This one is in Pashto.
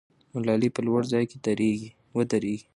ملالۍ په لوړ ځای کې ودرېږي.